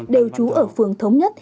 đều trú ở phường thống nhất